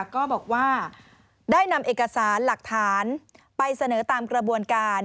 ก็บอกว่าได้นำเอกสารหลักฐานไปเสนอตามกระบวนการ